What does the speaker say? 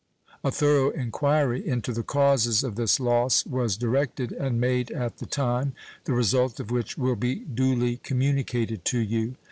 A thorough inquiry into the causes of this loss was directed and made at the time, the result of which will be duly communicated to you.